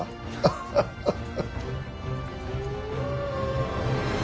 ハハハハ。